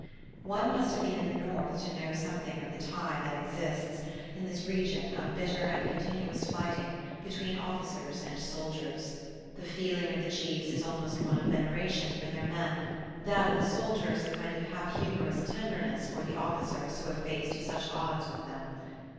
One must have been in the North to know something of the tie that exists, in this region of bitter and continuous fighting, between officers and soldiers. The feeling of the chiefs is almost one of veneration for their men; that of the soldiers, a kind of half humorous tenderness for the officers who have faced such odds with them.